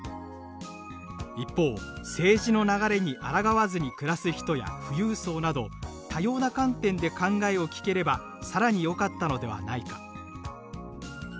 一方「政治の流れにあらがわずに暮らす人や富裕層など多様な観点で考えを聞ければ更によかったのではないか」